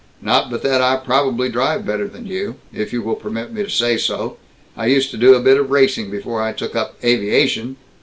Not but that I probably drive better than you, if you will permit me to say so. I used to do a bit of racing, before I took up aviation."